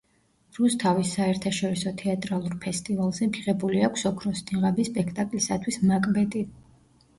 რუსთავის საერთაშორისო თეატრალური ფესტივალზე მიღებული აქვს „ოქროს ნიღაბი“ სპექტაკლისათვის „მაკბეტი“.